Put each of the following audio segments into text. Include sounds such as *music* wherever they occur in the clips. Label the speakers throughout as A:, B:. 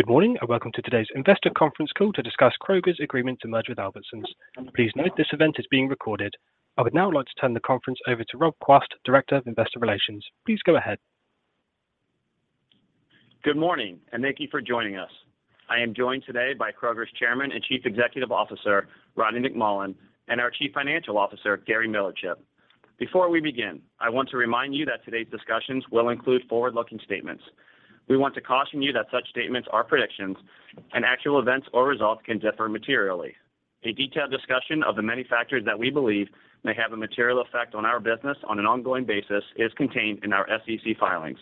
A: Good morning, and welcome to today's investor conference call to discuss Kroger's agreement to merge with Albertsons. Please note this event is being recorded. I would now like to turn the conference over to Rob Quast, Director of Investor Relations. Please go ahead.
B: Good morning, and thank you for joining us. I am joined today by Kroger's Chairman and Chief Executive Officer, Rodney McMullen, and our Chief Financial Officer, Gary Millerchip. Before we begin, I want to remind you that today's discussions will include forward-looking statements. We want to caution you that such statements are predictions and actual events or results can differ materially. A detailed discussion of the many factors that we believe may have a material effect on our business on an ongoing basis is contained in our SEC filings.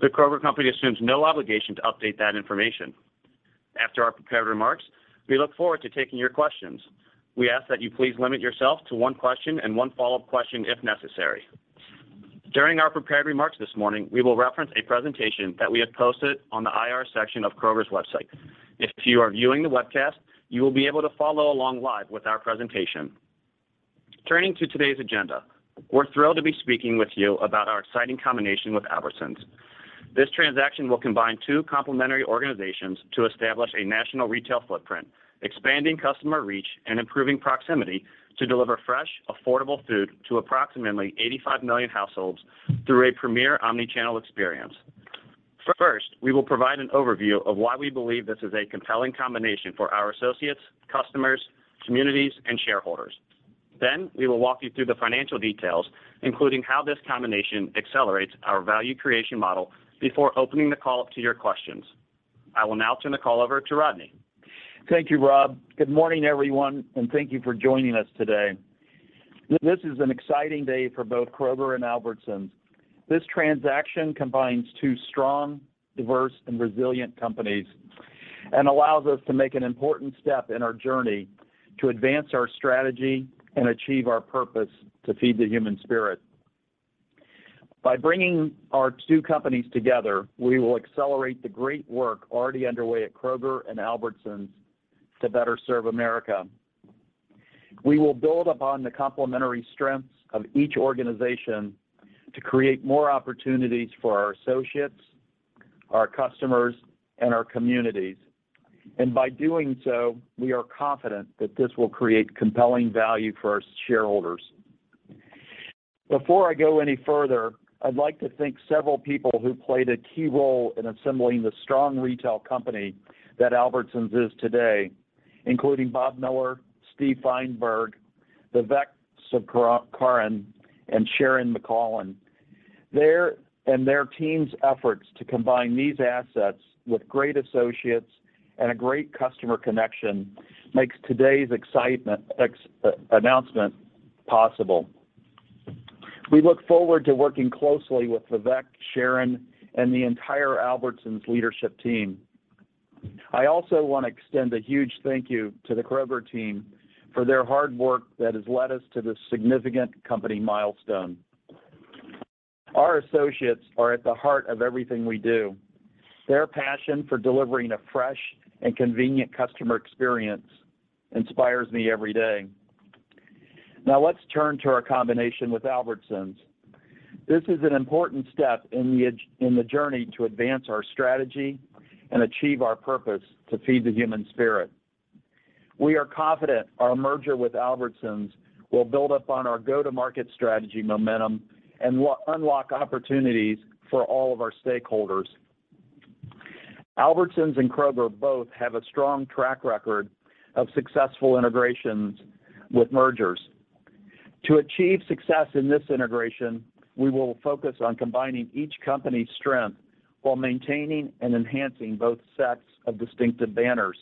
B: The Kroger Co. assumes no obligation to update that information. After our prepared remarks, we look forward to taking your questions. We ask that you please limit yourself to one question and one follow-up question if necessary. During our prepared remarks this morning, we will reference a presentation that we have posted on the IR section of Kroger's website. If you are viewing the webcast, you will be able to follow along live with our presentation. Turning to today's agenda, we're thrilled to be speaking with you about our exciting combination with Albertsons. This transaction will combine two complementary organizations to establish a national retail footprint, expanding customer reach and improving proximity to deliver fresh, affordable food to approximately 85,000,000 households through a premier omnichannel experience. First, we will provide an overview of why we believe this is a compelling combination for our associates, customers, communities, and shareholders. We will walk you through the financial details, including how this combination accelerates our value creation model before opening the call up to your questions. I will now turn the call over to Rodney.
C: Thank you, Rob. Good morning, everyone, and thank you for joining us today. This is an exciting day for both Kroger and Albertsons. This transaction combines two strong, diverse, and resilient companies and allows us to make an important step in our journey to advance our strategy and achieve our purpose to feed the human spirit. By bringing our two companies together, we will accelerate the great work already underway at Kroger and Albertsons to better serve America. We will build upon the complementary strengths of each organization to create more opportunities for our associates, our customers, and our communities. By doing so, we are confident that this will create compelling value for our shareholders. Before I go any further, I'd like to thank several people who played a key role in assembling the strong retail company that Albertsons is today, including Bob Miller, Steve Feinberg, Vivek Sankaran, and Sharon McCollam. Their and their team's efforts to combine these assets with great associates and a great customer connection makes today's announcement possible. We look forward to working closely with Vivek, Sharon, and the entire Albertsons leadership team. I also wanna extend a huge thank you to the Kroger team for their hard work that has led us to this significant company milestone. Our associates are at the heart of everything we do. Their passion for delivering a fresh and convenient customer experience inspires me every day. Now, let's turn to our combination with Albertsons. This is an important step in the journey to advance our strategy and achieve our purpose to feed the human spirit. We are confident our merger with Albertsons will build upon our go-to-market strategy momentum and unlock opportunities for all of our stakeholders. Albertsons and Kroger both have a strong track record of successful integrations with mergers. To achieve success in this integration, we will focus on combining each company's strength while maintaining and enhancing both sets of distinctive banners.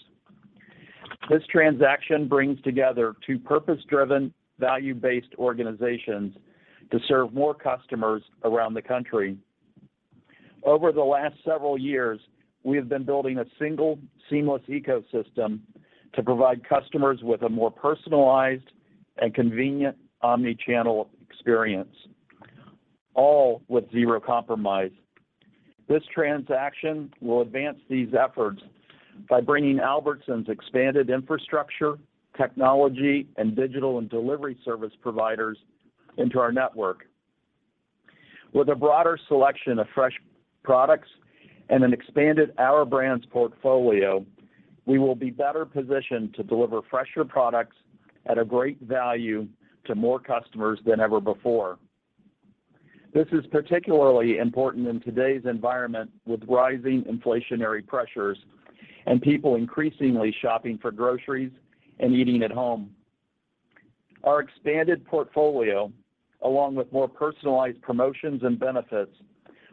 C: This transaction brings together two purpose-driven, value-based organizations to serve more customers around the country. Over the last several years, we have been building a single seamless ecosystem to provide customers with a more personalized and convenient omnichannel experience, all with zero compromise. This transaction will advance these efforts by bringing Albertsons' expanded infrastructure, technology, and digital and delivery service providers into our network. With a broader selection of fresh products and an expanded Our Brands portfolio, we will be better positioned to deliver fresher products at a great value to more customers than ever before. This is particularly important in today's environment with rising inflationary pressures and people increasingly shopping for groceries and eating at home. Our expanded portfolio, along with more personalized promotions and benefits,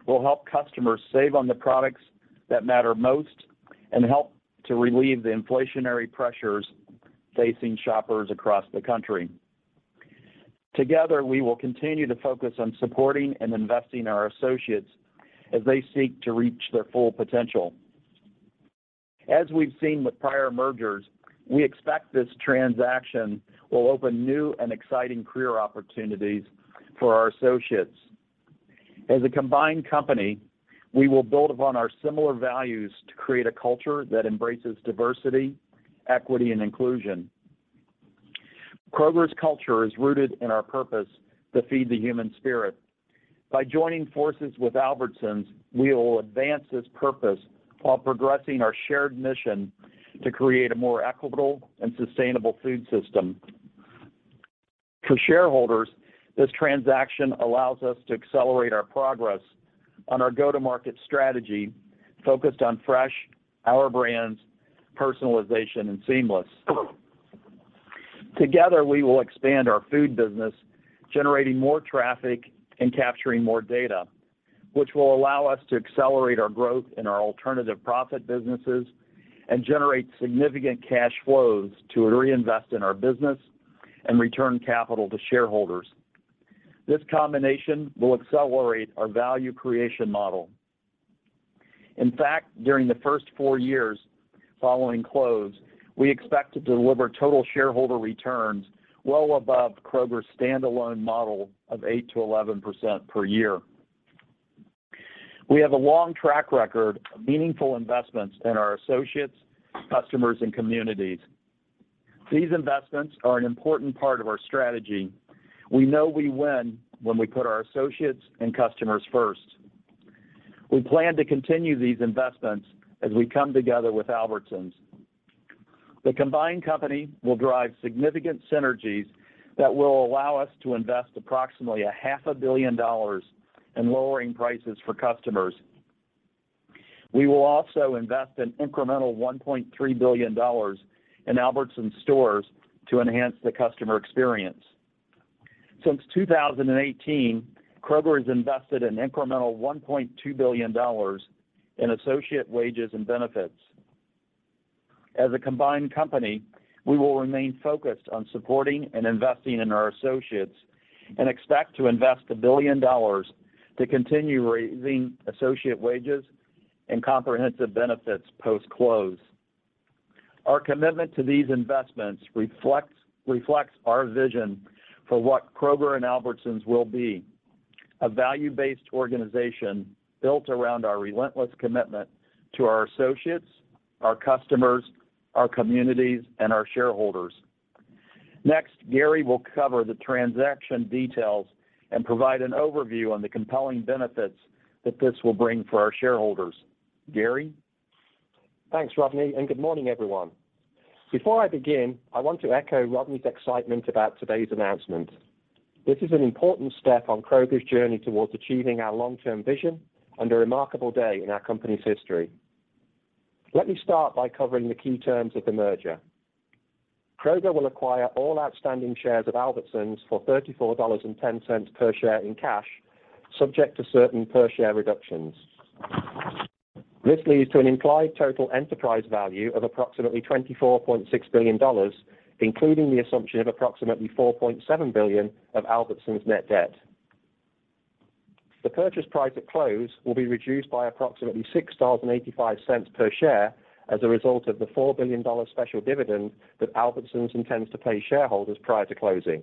C: will help customers save on the products that matter most and help to relieve the inflationary pressures facing shoppers across the country. Together, we will continue to focus on supporting and investing in our associates as they seek to reach their full potential. As we've seen with prior mergers, we expect this transaction will open new and exciting career opportunities for our associates. As a combined company, we will build upon our similar values to create a culture that embraces diversity, equity, and inclusion. Kroger's culture is rooted in our purpose to feed the human spirit. By joining forces with Albertsons, we will advance this purpose while progressing our shared mission to create a more equitable and sustainable food system. For shareholders, this transaction allows us to accelerate our progress on our go-to-market strategy focused on fresh, our brands, personalization, and seamless. Together, we will expand our food business, generating more traffic and capturing more data, which will allow us to accelerate our growth in our alternative profit businesses and generate significant cash flows to reinvest in our business and return capital to shareholders. This combination will accelerate our value creation model. In fact, during the first four years following close, we expect to deliver total shareholder returns well above Kroger's standalone model of 8%-11% per year. We have a long track record of meaningful investments in our associates, customers, and communities. These investments are an important part of our strategy. We know we win when we put our associates and customers first. We plan to continue these investments as we come together with Albertsons. The combined company will drive significant synergies that will allow us to invest approximately a half a billion dollars in lowering prices for customers. We will also invest an incremental $1.3 billion in Albertsons stores to enhance the customer experience. Since 2018, Kroger has invested an incremental $1.2 billion in associate wages and benefits. As a combined company, we will remain focused on supporting and investing in our associates and expect to invest a billion dollars to continue raising associate wages and comprehensive benefits post-close. Our commitment to these investments reflects our vision for what Kroger and Albertsons will be, a value-based organization built around our relentless commitment to our associates, our customers, our communities, and our shareholders. Next, Gary will cover the transaction details and provide an overview on the compelling benefits that this will bring for our shareholders. Gary?
D: Thanks, Rodney, and good morning, everyone. Before I begin, I want to echo Rodney's excitement about today's announcement. This is an important step on Kroger's journey towards achieving our long-term vision and a remarkable day in our company's history. Let me start by covering the key terms of the merger. Kroger will acquire all outstanding shares of Albertsons for $34.10 per share in cash, subject to certain per share reductions. This leads to an implied total enterprise value of approximately $24.6 billion, including the assumption of approximately $4.7 billion of Albertsons' net debt. The purchase price at close will be reduced by approximately $6.85 per share as a result of the $4 billion special dividend that Albertsons intends to pay shareholders prior to closing.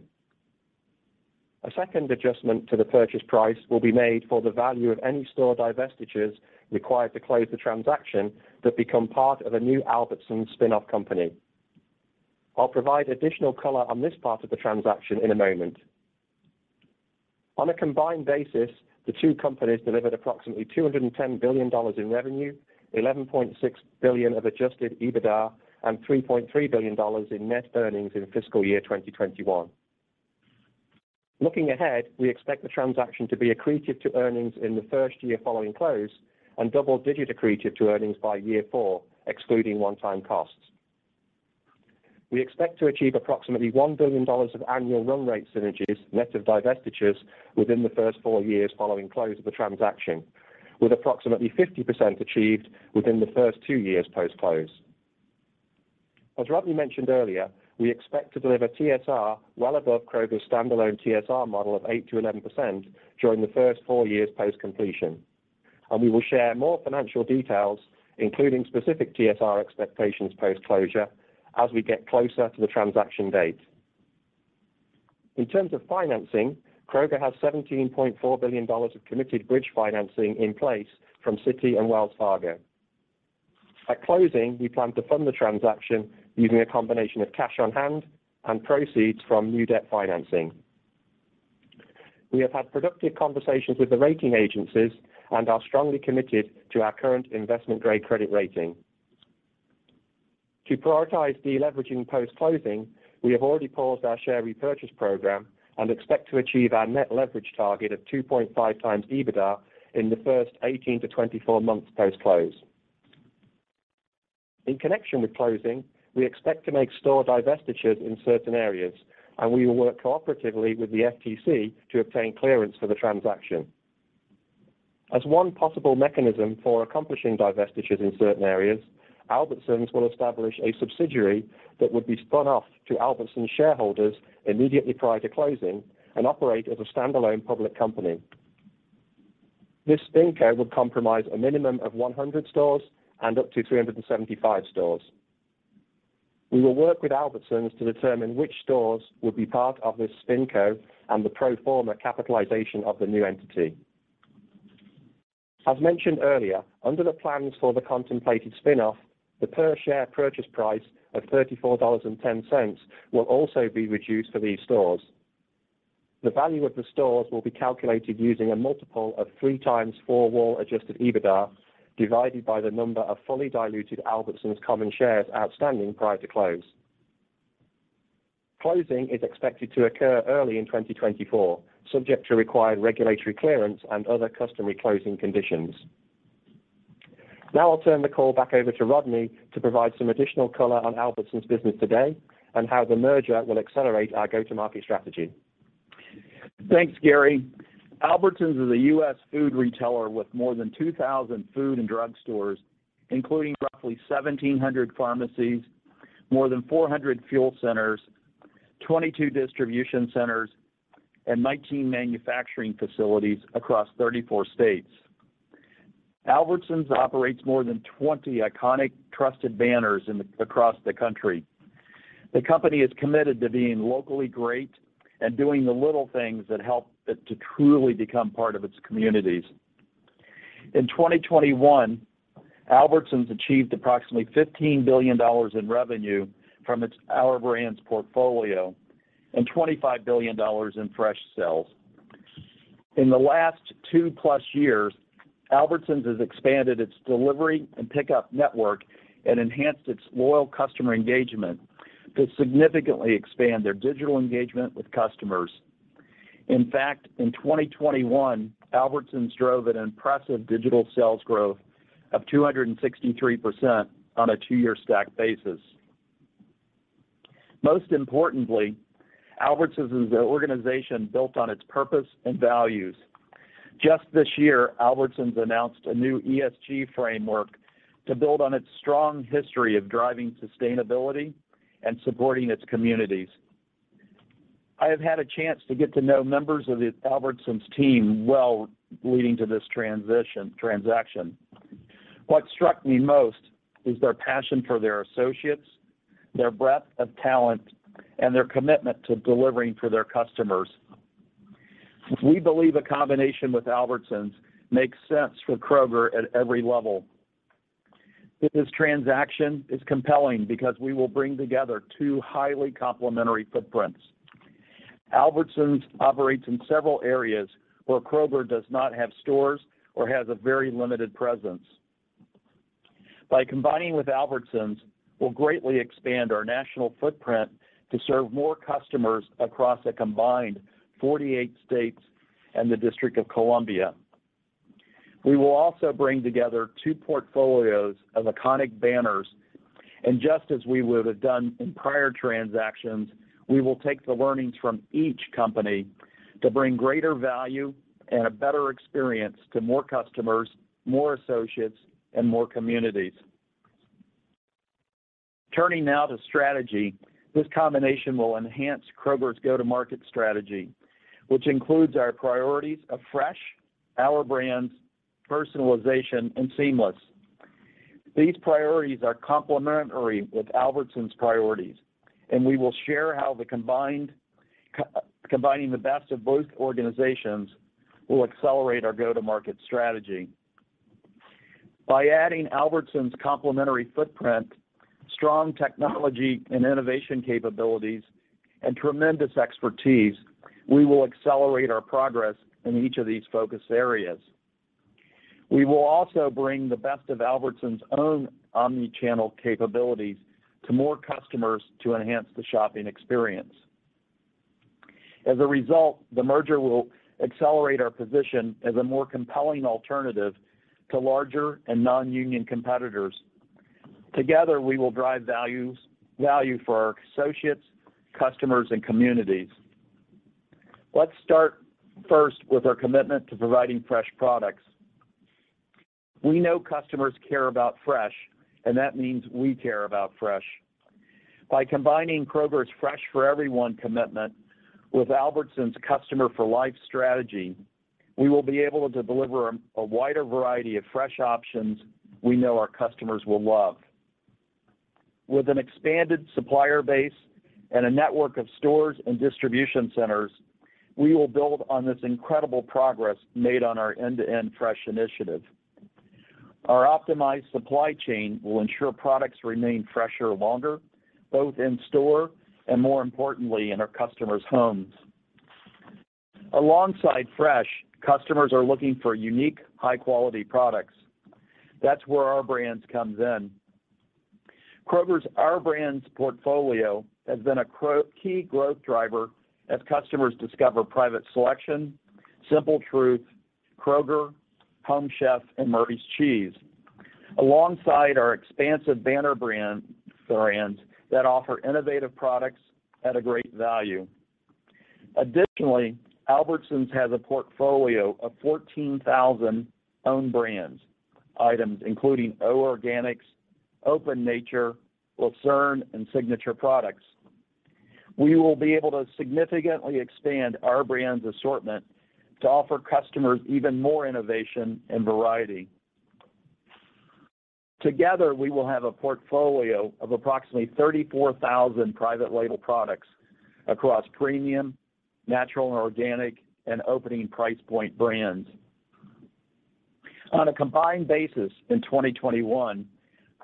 D: A second adjustment to the purchase price will be made for the value of any store divestitures required to close the transaction that become part of a new Albertsons spin-off company. I'll provide additional color on this part of the transaction in a moment. On a combined basis, the two companies delivered approximately $210 billion in revenue, $11.6 billion of adjusted EBITDA, and $3.3 billion in net earnings in fiscal year 2021. Looking ahead, we expect the transaction to be accretive to earnings in the first year following close and double-digit accretive to earnings by year four, excluding one-time costs. We expect to achieve approximately $1 billion of annual run rate synergies, net of divestitures, within the first four years following close of the transaction, with approximately 50% achieved within the first two years post-close. As Rodney mentioned earlier, we expect to deliver TSR well above Kroger's standalone TSR model of 8%-11% during the first four years post-completion. We will share more financial details, including specific TSR expectations post-closure, as we get closer to the transaction date. In terms of financing, Kroger has $17.4 billion of committed bridge financing in place from Citi and Wells Fargo. At closing, we plan to fund the transaction using a combination of cash on hand and proceeds from new debt financing. We have had productive conversations with the rating agencies and are strongly committed to our current investment-grade credit rating. To prioritize deleveraging post-closing, we have already paused our share repurchase program and expect to achieve our net leverage target of 2.5x EBITDA in the first 18 months-24 months post-close. In connection with closing, we expect to make store divestitures in certain areas, and we will work cooperatively with the FTC to obtain clearance for the transaction. As one possible mechanism for accomplishing divestitures in certain areas, Albertsons will establish a subsidiary that would be spun off to Albertsons shareholders immediately prior to closing and operate as a standalone public company. This SpinCo would comprise a minimum of 100 stores and up to 375 stores. We will work with Albertsons to determine which stores will be part of this SpinCo and the pro forma capitalization of the new entity. As mentioned earlier, under the plans for the contemplated spin-off, the per share purchase price of $34.10 will also be reduced for these stores. The value of the stores will be calculated using a multiple of 3x four-wall Adjusted EBITDA divided by the number of fully diluted Albertsons common shares outstanding prior to close. Closing is expected to occur early in 2024, subject to required regulatory clearance and other customary closing conditions. I'll turn the call back over to Rodney McMullen to provide some additional color on Albertsons' business today and how the merger will accelerate our go-to-market strategy.
C: Thanks, Gary. Albertsons is a U.S. food retailer with more than 2,000 food and drug stores, including roughly 1,700 pharmacies, more than 400 fuel centers, 22 distribution centers, and 19 manufacturing facilities across 34 states. Albertsons operates more than 20 iconic trusted banners across the country. The company is committed to being locally great and doing the little things that help it to truly become part of its communities. In 2021, Albertsons achieved approximately $15 billion in revenue from its Our Brands portfolio and $25 billion in fresh sales. In the last two plus years, Albertsons has expanded its delivery and pickup network and enhanced its loyal customer engagement to significantly expand their digital engagement with customers. In fact, in 2021, Albertsons drove an impressive digital sales growth of 263% on a two-year stack basis. Most importantly, Albertsons is an organization built on its purpose and values. Just this year, Albertsons announced a new ESG framework to build on its strong history of driving sustainability and supporting its communities. I have had a chance to get to know members of the Albertsons team well leading to this transaction. What struck me most is their passion for their associates, their breadth of talent, and their commitment to delivering to their customers. We believe a combination with Albertsons makes sense for Kroger at every level. This transaction is compelling because we will bring together two highly complementary footprints. Albertsons operates in several areas where Kroger does not have stores or has a very limited presence. By combining with Albertsons, we'll greatly expand our national footprint to serve more customers across a combined 48 states and the District of Columbia. We will also bring together two portfolios of iconic banners, and just as we would have done in prior transactions, we will take the learnings from each company to bring greater value and a better experience to more customers, more associates, and more communities. Turning now to strategy, this combination will enhance Kroger's go-to-market strategy, which includes our priorities of fresh, Our Brands, personalization, and seamless. These priorities are complementary with Albertsons' priorities, and we will share how combining the best of both organizations will accelerate our go-to-market strategy. By adding Albertsons' complementary footprint, strong technology and innovation capabilities, and tremendous expertise, we will accelerate our progress in each of these focus areas. We will also bring the best of Albertsons' own omnichannel capabilities to more customers to enhance the shopping experience. As a result, the merger will accelerate our position as a more compelling alternative to larger and non-union competitors. Together, we will drive value for our associates, customers, and communities. Let's start first with our commitment to providing fresh products. We know customers care about fresh, and that means we care about fresh. By combining Kroger's Fresh for Everyone commitment with Albertsons' Customer for Life strategy, we will be able to deliver a wider variety of fresh options we know our customers will love. With an expanded supplier base and a network of stores and distribution centers, we will build on this incredible progress made on our end-to-end fresh initiative. Our optimized supply chain will ensure products remain fresher longer, both in store and, more importantly, in our customers' homes. Alongside fresh, customers are looking for unique, high-quality products. That's where Our Brands comes in. Kroger's Our Brands portfolio has been a key growth driver as customers discover Private Selection, Simple Truth, Kroger, Home Chef, and Murray's Cheese. Alongside our expansive banner brands that offer innovative products at a great value. Additionally, Albertsons has a portfolio of 14,000 own brands, items including O Organics, Open Nature, Lucerne, and Signature SELECT. We will be able to significantly expand Our Brands assortment to offer customers even more innovation and variety. Together, we will have a portfolio of approximately 34,000 private label products across premium, natural and organic, and opening price point brands. On a combined basis in 2021,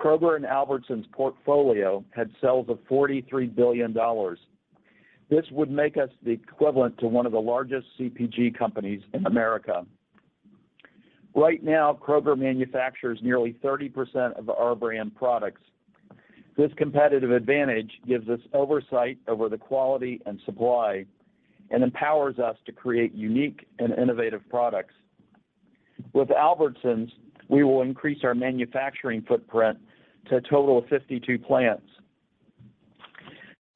C: Kroger and Albertsons portfolio had sales of $43 billion. This would make us the equivalent to one of the largest CPG companies in America. Right now, Kroger manufactures nearly 30% of our brand products. This competitive advantage gives us oversight over the quality and supply and empowers us to create unique and innovative products. With Albertsons, we will increase our manufacturing footprint to a total of 52 plants.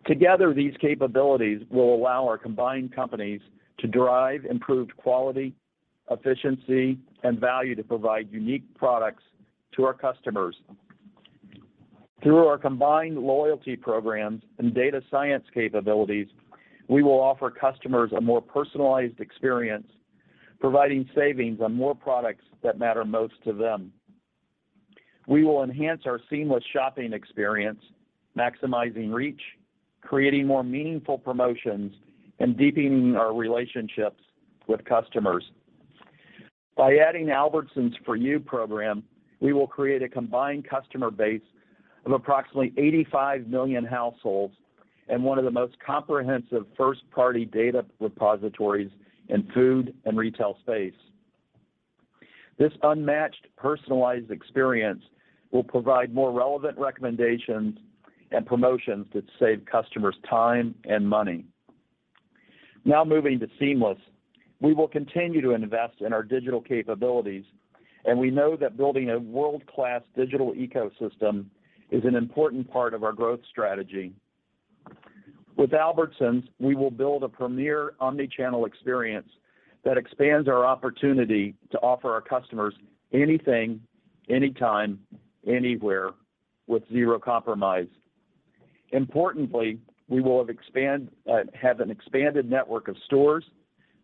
C: Together, these capabilities will allow our combined companies to drive improved quality, efficiency and value to provide unique products to our customers. Through our combined loyalty programs and data science capabilities, we will offer customers a more personalized experience, providing savings on more products that matter most to them. We will enhance our seamless shopping experience, maximizing reach, creating more meaningful promotions, and deepening our relationships with customers. By adding Albertsons for U program, we will create a combined customer base of approximately 85,000,000 households and one of the most comprehensive first-party data repositories in food and retail space. This unmatched personalized experience will provide more relevant recommendations and promotions that save customers time and money. Now moving to seamless. We will continue to invest in our digital capabilities, and we know that building a world-class digital ecosystem is an important part of our growth strategy. With Albertsons, we will build a premier omnichannel experience that expands our opportunity to offer our customers anything, anytime, anywhere with zero compromise. Importantly, we will have an expanded network of stores,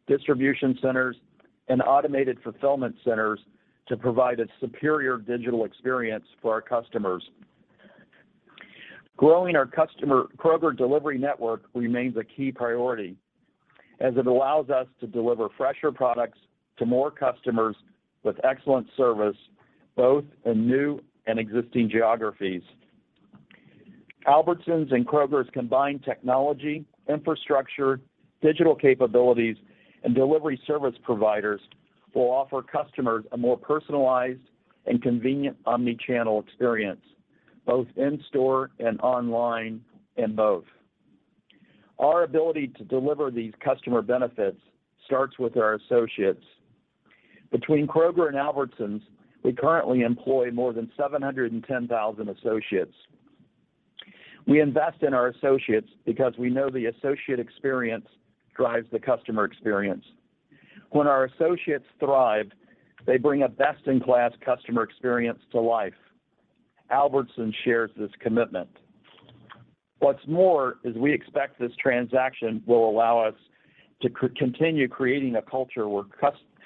C: distribution centers and automated fulfillment centers to provide a superior digital experience for our customers. Growing our Kroger delivery network remains a key priority as it allows us to deliver fresher products to more customers with excellent service both in new and existing geographies. Albertsons and Kroger's combined technology, infrastructure, digital capabilities and delivery service providers will offer customers a more personalized and convenient omnichannel experience, both in store and online, and both. Our ability to deliver these customer benefits starts with our associates. Between Kroger and Albertsons, we currently employ more than 710,000 associates. We invest in our associates because we know the associate experience drives the customer experience. When our associates thrive, they bring a best in class customer experience to life. Albertsons shares this commitment. What's more is we expect this transaction will allow us to continue creating a culture where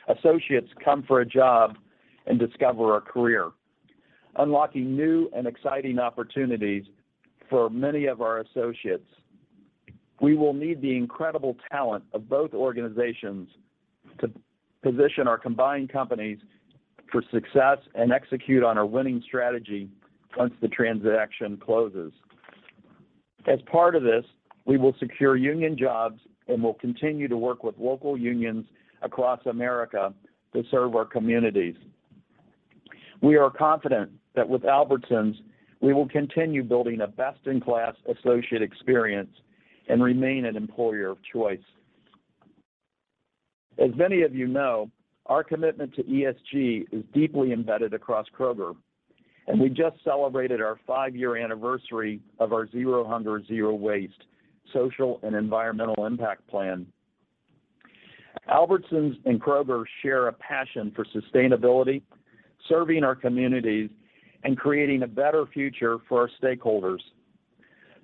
C: associates come for a job and discover a career, unlocking new and exciting opportunities for many of our associates. We will need the incredible talent of both organizations to position our combined companies for success and execute on our winning strategy once the transaction closes. As part of this, we will secure union jobs and will continue to work with local unions across America to serve our communities. We are confident that with Albertsons we will continue building a best in class associate experience and remain an employer of choice. As many of you know, our commitment to ESG is deeply embedded across Kroger, and we just celebrated our five-year anniversary of our Zero Hunger, Zero Waste social and environmental impact plan. Albertsons and Kroger share a passion for sustainability, serving our communities and creating a better future for our stakeholders.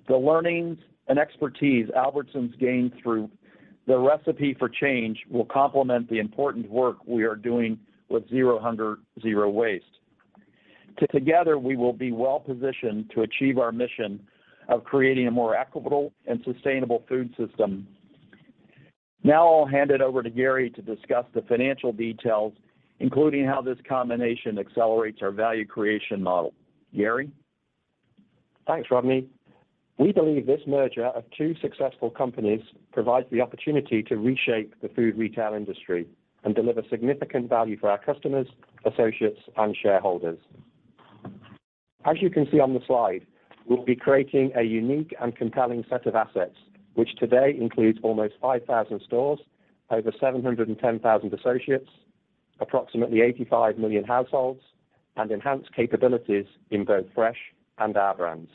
C: The learnings and expertise Albertsons gained through the Recipe for Change will complement the important work we are doing with Zero Hunger, Zero Waste. Together we will be well positioned to achieve our mission of creating a more equitable and sustainable food system. Now I'll hand it over to Gary to discuss the financial details, including how this combination accelerates our value creation model. Gary.
D: Thanks, Rodney. We believe this merger of two successful companies provides the opportunity to reshape the food retail industry and deliver significant value for our customers, associates and shareholders. As you can see on the slide, we'll be creating a unique and compelling set of assets, which today includes almost 5,000 stores, over 710,000 associates, approximately 85,000,000 households and enhanced capabilities in both fresh and our brands.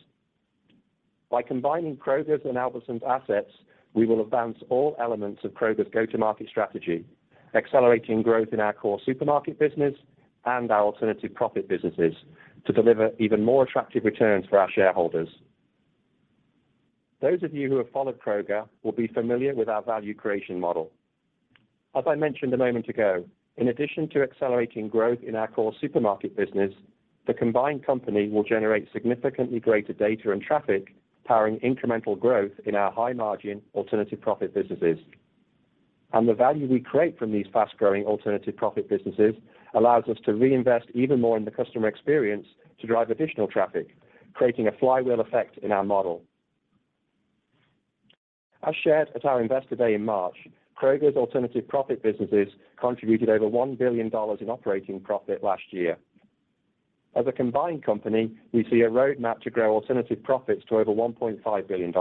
D: By combining Kroger's and Albertsons assets, we will advance all elements of Kroger's go-to-market strategy, accelerating growth in our core supermarket business and our alternative profit businesses to deliver even more attractive returns for our shareholders. Those of you who have followed Kroger will be familiar with our value creation model. As I mentioned a moment ago, in addition to accelerating growth in our core supermarket business, the combined company will generate significantly greater data and traffic, powering incremental growth in our high margin alternative profit businesses. The value we create from these fast-growing alternative profit businesses allows us to reinvest even more in the customer experience to drive additional traffic, creating a flywheel effect in our model. As shared at our Investor Day in March, Kroger's alternative profit businesses contributed over $1 billion in operating profit last year. As a combined company, we see a roadmap to grow alternative profits to over $1.5 billion.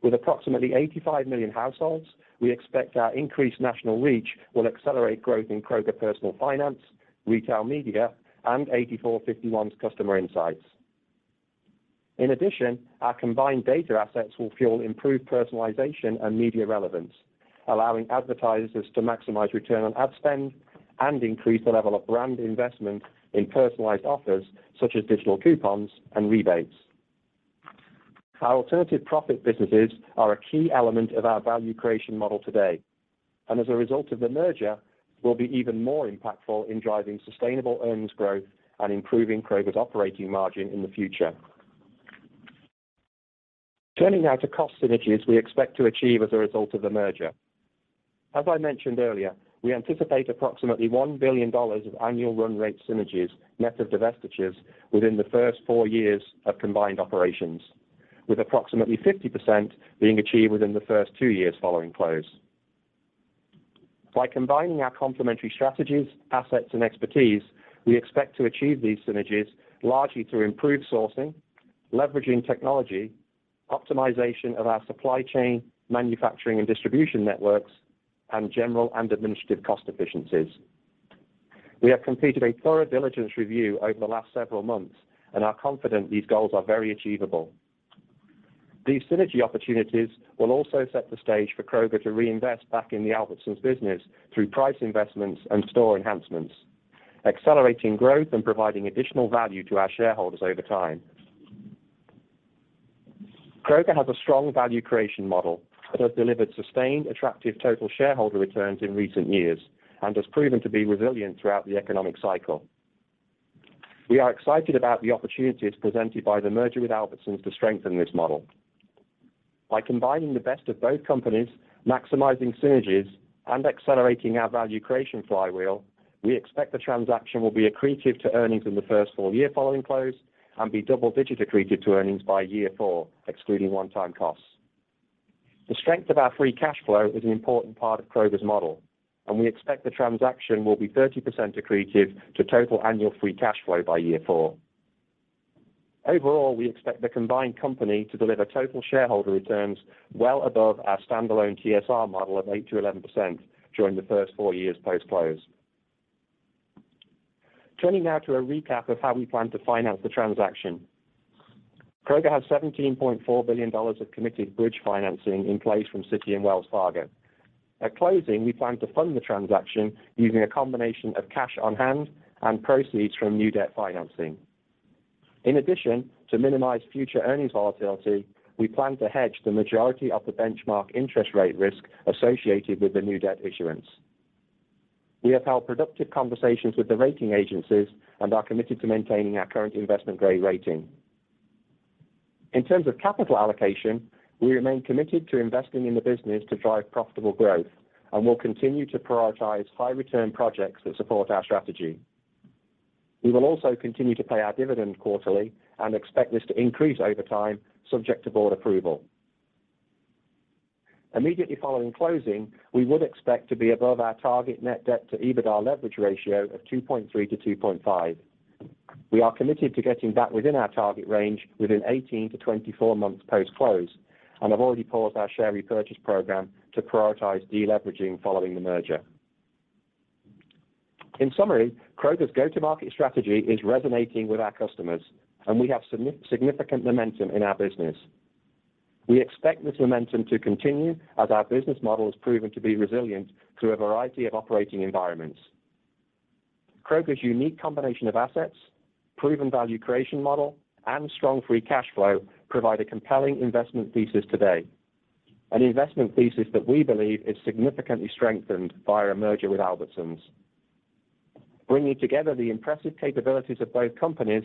D: With approximately 85,000,000 households, we expect our increased national reach will accelerate growth in Kroger Personal Finance, Retail Media, and 84.51 customer insights. In addition, our combined data assets will fuel improved personalization and media relevance, allowing advertisers to maximize return on ad spend and increase the level of brand investment in personalized offers such as digital coupons and rebates. Our alternative profit businesses are a key element of our value creation model today, and as a result of the merger, will be even more impactful in driving sustainable earnings growth and improving Kroger's operating margin in the future. Turning now to cost synergies we expect to achieve as a result of the merger. As I mentioned earlier, we anticipate approximately $1 billion of annual run rate synergies, net of divestitures, within the first four years of combined operations, with approximately 50% being achieved within the first two years following close. By combining our complementary strategies, assets, and expertise, we expect to achieve these synergies largely through improved sourcing, leveraging technology, optimization of our supply chain, manufacturing and distribution networks, and general and administrative cost efficiencies. We have completed a thorough diligence review over the last several months and are confident these goals are very achievable. These synergy opportunities will also set the stage for Kroger to reinvest back in the Albertsons business through price investments and store enhancements, accelerating growth and providing additional value to our shareholders over time. Kroger has a strong value creation model that has delivered sustained attractive total shareholder returns in recent years and has proven to be resilient throughout the economic cycle. We are excited about the opportunities presented by the merger with Albertsons to strengthen this model. By combining the best of both companies, maximizing synergies, and accelerating our value creation flywheel, we expect the transaction will be accretive to earnings in the first full year following close and be double digits accretive to earnings by year four, excluding one-time costs. The strength of our free cash flow is an important part of Kroger's model, and we expect the transaction will be 30% accretive to total annual free cash flow by year four. Overall, we expect the combined company to deliver total shareholder returns well above our standalone TSR model of 8%-11% during the first four years post-close. Turning now to a recap of how we plan to finance the transaction. Kroger has $17.4 billion of committed bridge financing in place from Citi and Wells Fargo. At closing, we plan to fund the transaction using a combination of cash on hand and proceeds from new debt financing. In addition, to minimize future earnings volatility, we plan to hedge the majority of the benchmark interest rate risk associated with the new debt issuance. We have held productive conversations with the rating agencies and are committed to maintaining our current investment grade rating. In terms of capital allocation, we remain committed to investing in the business to drive profitable growth and will continue to prioritize high return projects that support our strategy. We will also continue to pay our dividend quarterly and expect this to increase over time subject to board approval. Immediately following closing, we would expect to be above our target net debt to EBITDA leverage ratio of 2.3-2.5. We are committed to getting back within our target range within 18 months-24 months post-close, and have already paused our share repurchase program to prioritize deleveraging following the merger. In summary, Kroger's go-to-market strategy is resonating with our customers, and we have significant momentum in our business. We expect this momentum to continue as our business model has proven to be resilient through a variety of operating environments. Kroger's unique combination of assets, proven value creation model, and strong free cash flow provide a compelling investment thesis today, an investment thesis that we believe is significantly strengthened by our merger with Albertsons. Bringing together the impressive capabilities of both companies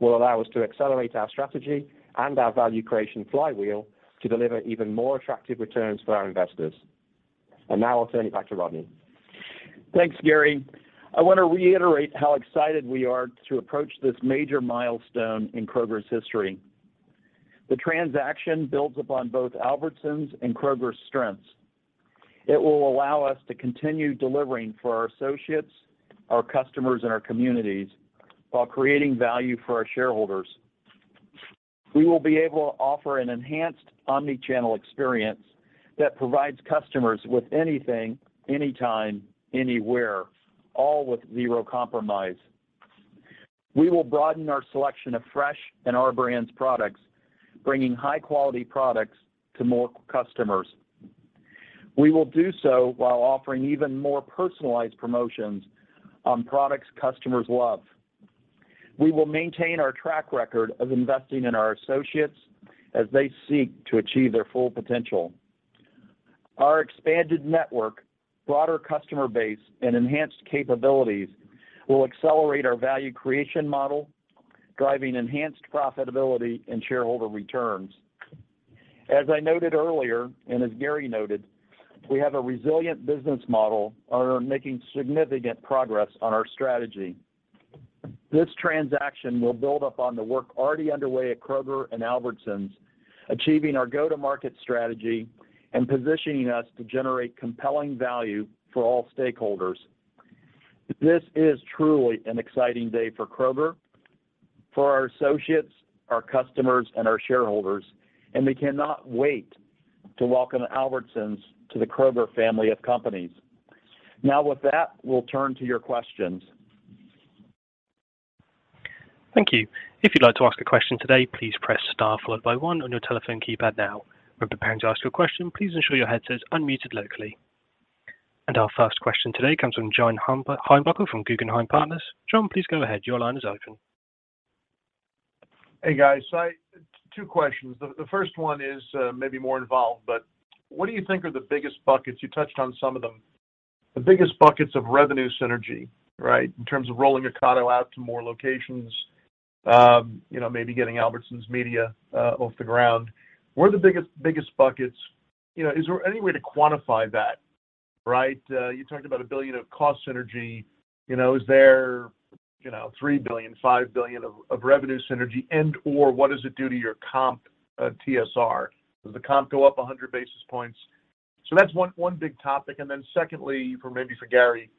D: will allow us to accelerate our strategy and our value creation flywheel to deliver even more attractive returns for our investors. Now I'll turn it back to Rodney.
C: Thanks, Gary. I want to reiterate how excited we are to approach this major milestone in Kroger's history. The transaction builds upon both Albertsons and Kroger's strengths. It will allow us to continue delivering for our associates, our customers, and our communities while creating value for our shareholders. We will be able to offer an enhanced omnichannel experience that provides customers with anything, anytime, anywhere, all with zero compromise. We will broaden our selection of fresh and Our Brands products, bringing high-quality products to more customers. We will do so while offering even more personalized promotions on products customers love. We will maintain our track record of investing in our associates as they seek to achieve their full potential. Our expanded network, broader customer base, and enhanced capabilities will accelerate our value creation model, driving enhanced profitability and shareholder returns. As I noted earlier, and as Gary noted, we have a resilient business model and are making significant progress on our strategy. This transaction will build upon the work already underway at Kroger and Albertsons, achieving our go-to-market strategy and positioning us to generate compelling value for all stakeholders. This is truly an exciting day for Kroger, for our associates, our customers, and our shareholders, and we cannot wait to welcome Albertsons to the Kroger family of companies. Now with that, we'll turn to your questions.
A: Thank you. If you'd like to ask a question today, please press star followed by one on your telephone keypad now. When preparing to ask your question, please ensure your headset is unmuted locally. Our first question today comes from John Heinbockel from Guggenheim Partners. John, please go ahead. Your line is open.
E: Hey, guys. Two questions. The first one is maybe more involved, but what do you think are the biggest buckets? You touched on some of them. The biggest buckets of revenue synergy, right? In terms of rolling Ocado out to more locations, you know, maybe getting Albertsons Media off the ground. What are the biggest buckets? You know, is there any way to quantify that, right? You talked about $1 billion of cost synergy, you know, is there, you know, $3 billion, $5 billion of revenue synergy and/or what does it do to your comp TSR? Does the comp go up 100 basis points? That's one big topic. Then secondly, for maybe for Gary,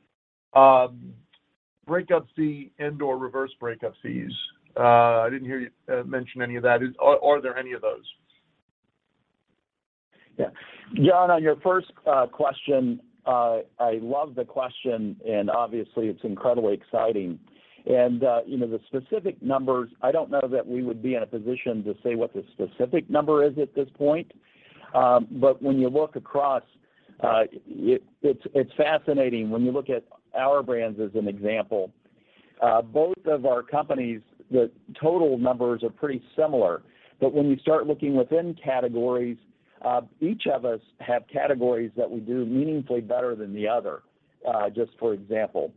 E: breakup fee and/or reverse breakup fees. I didn't hear you mention any of that. Are there any of those?
C: Yeah. John, on your first question, I love the question, and obviously it's incredibly exciting. You know, the specific numbers, I don't know that we would be in a position to say what the specific number is at this point. When you look across, it's fascinating when you look at Our Brands as an example. Both of our companies, the total numbers are pretty similar. When you start looking within categories, each of us have categories that we do meaningfully better than the other. Just for example,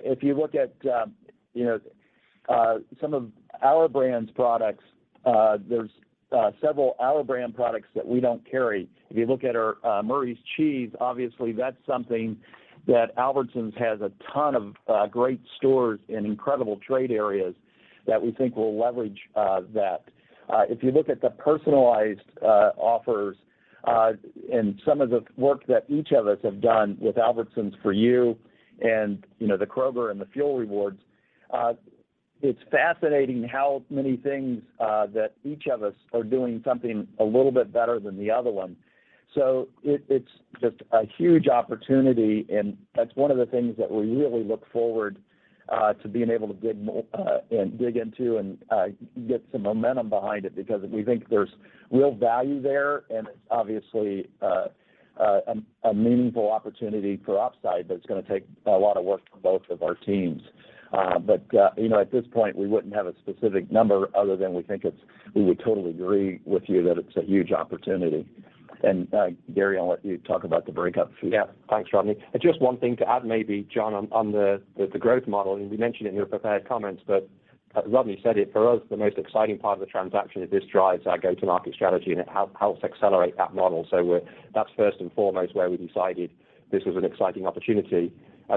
C: if you look at, you know, some of Our Brands' products, there's several Our Brands products that we don't carry. If you look at our Murray's Cheese, obviously that's something that Albertsons has a ton of great stores and incredible trade areas that we think will leverage that. If you look at the personalized offers and some of the work that each of us have done with Albertsons for U and, you know, the Kroger and the Fuel Points, it's fascinating how many things that each of us are doing something a little bit better than the other one. It's just a huge opportunity, and that's one of the things that we really look forward to being able to dig into and get some momentum behind it because we think there's real value there and obviously a meaningful opportunity for upside that's gonna take a lot of work from both of our teams. You know, at this point, we wouldn't have a specific number other than we think it's. We would totally agree with you that it's a huge opportunity. Gary, I'll let you talk about the breakup fee.
D: Yeah. Thanks, Rodney. Just one thing to add maybe, John, on the growth model, and we mentioned it in your prepared comments, but as Rodney said it, for us, the most exciting part of the transaction is this drives our go-to-market strategy and it helps accelerate that model. That's first and foremost where we decided this was an exciting opportunity.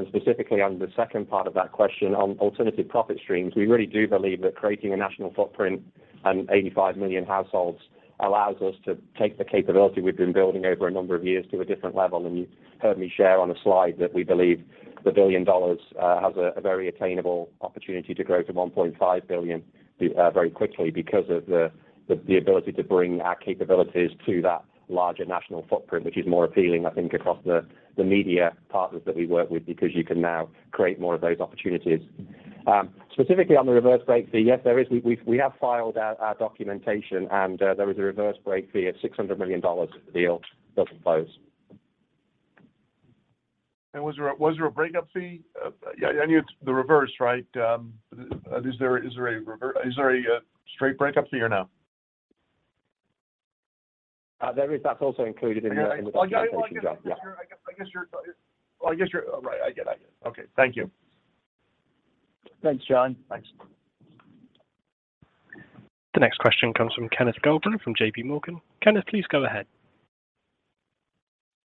D: Specifically on the second part of that question, on alternative profit streams, we really do believe that creating a national footprint and 85 million households allows us to take the capability we've been building over a number of years to a different level. You heard me share on a slide that we believe the $1 billion has a very attainable opportunity to grow to $1.5 billion very quickly because of the ability to bring our capabilities to that larger national footprint, which is more appealing, I think, across the media partners that we work with because you can now create more of those opportunities. Specifically on the reverse break fee, yes, there is. We have filed our documentation, and there is a reverse break fee of $600 million if the deal doesn't close.
E: Was there a breakup fee? Yeah, I know it's the reverse, right? Is there a straight breakup fee or no?
D: There is. That's also included in the documentation, John. Yeah. *crosstalk*
E: All right. I get it. Okay. Thank you.
C: Thanks, John.
D: Thanks.
A: The next question comes from Ken Goldman from JPMorgan. Ken, please go ahead.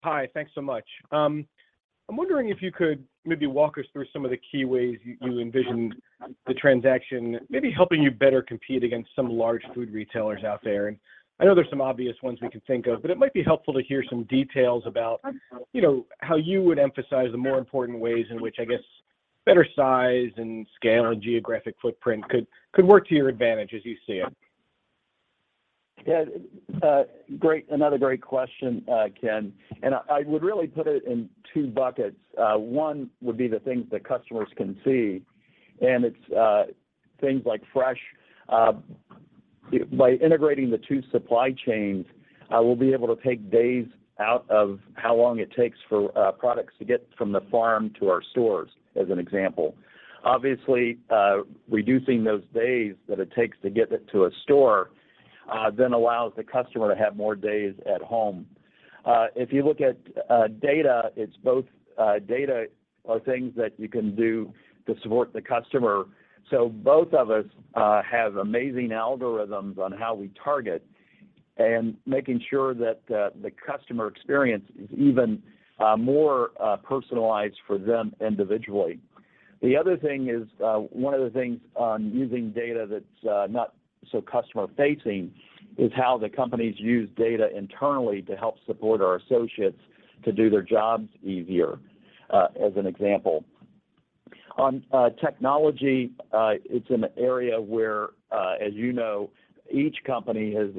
F: Hi. Thanks so much. I'm wondering if you could maybe walk us through some of the key ways you envision the transaction maybe helping you better compete against some large food retailers out there. I know there's some obvious ones we can think of, but it might be helpful to hear some details about, you know, how you would emphasize the more important ways in which, I guess, better size and scale and geographic footprint could work to your advantage as you see it.
C: Great. Another great question, Ken. I would really put it in two buckets. One would be the things that customers can see, and it's things like fresh, you know. By integrating the two supply chains, we'll be able to take days out of how long it takes for products to get from the farm to our stores, as an example. Obviously, reducing those days that it takes to get it to a store then allows the customer to have more days at home. If you look at data, it's both data or things that you can do to support the customer. Both of us have amazing algorithms on how we target and making sure that the customer experience is even more personalized for them individually. The other thing is, one of the things on using data that's not so customer-facing is how the companies use data internally to help support our associates to do their jobs easier, as an example. On technology, it's an area where, as you know, each company has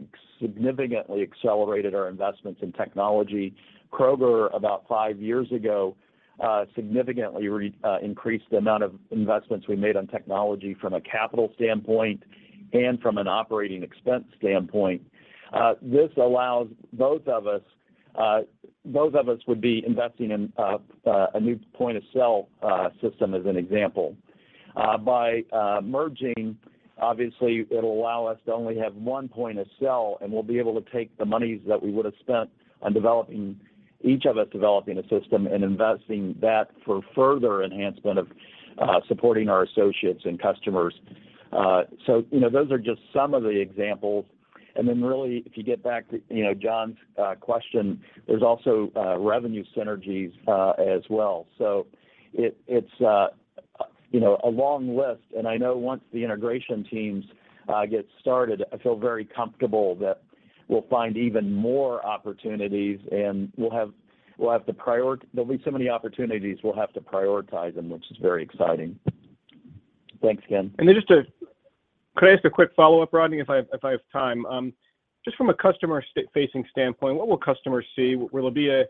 C: significantly accelerated our investments in technology. Kroger about five years ago, significantly increased the amount of investments we made on technology from a capital standpoint and from an operating expense standpoint. This allows both of us would be investing in, a new point-of-sale system, as an example. By merging, obviously it'll allow us to only have one point of sale, and we'll be able to take the monies that we would have spent on each of us developing a system and investing that for further enhancement of supporting our associates and customers. You know, those are just some of the examples. Really, if you get back to, you know, John's question, there's also revenue synergies as well. It's, you know, a long list, and I know once the integration teams get started, I feel very comfortable that we'll find even more opportunities and we'll have to there'll be so many opportunities we'll have to prioritize them, which is very exciting. Thanks, Ken.
F: Could I ask a quick follow-up, Rodney, if I have time? Just from a customer-facing standpoint, what will customers see? Will there be a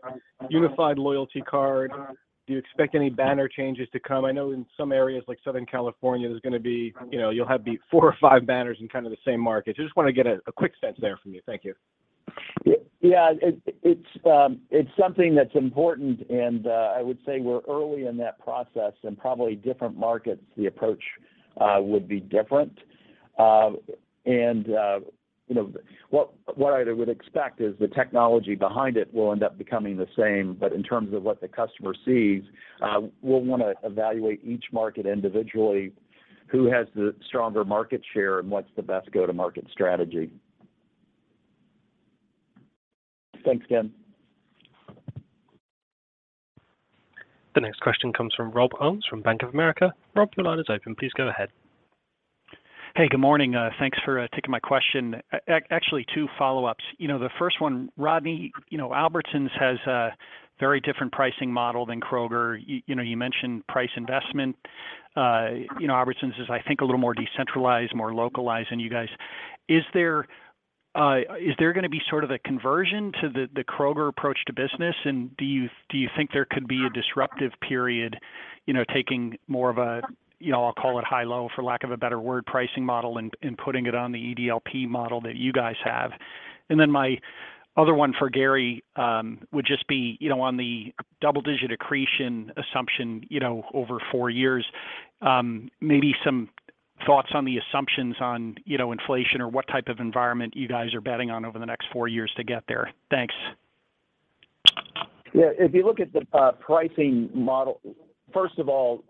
F: unified loyalty card? Do you expect any banner changes to come? I know in some areas like Southern California, there's gonna be, you know, you'll have the four or five banners in kind of the same market. I just wanna get a quick sense there from you. Thank you.
C: Yeah. It's something that's important, and I would say we're early in that process and probably different markets, the approach would be different. You know, what I would expect is the technology behind it will end up becoming the same. In terms of what the customer sees, we'll wanna evaluate each market individually, who has the stronger market share and what's the best go-to-market strategy. Thanks, Ken.
A: The next question comes from Robert Ohmes from Bank of America. Rob, your line is open. Please go ahead.
G: Hey, good morning. Thanks for taking my question. Actually two follow-ups. You know, the first one, Rodney, you know, Albertsons has a very different pricing model than Kroger. You know, you mentioned price investment. You know, Albertsons is, I think, a little more decentralized, more localized than you guys. Is there gonna be sort of a conversion to the Kroger approach to business? Do you think there could be a disruptive period, you know, taking more of a, you know, I'll call it high-low, for lack of a better word, pricing model and putting it on the EDLP model that you guys have? my other one for Gary, would just be, you know, on the double-digit accretion assumption, you know, over 4 years, maybe some thoughts on the assumptions on, you know, inflation or what type of environment you guys are betting on over the next 4 years to get there. Thanks.
C: Yeah. If you look at the pricing model. First of all,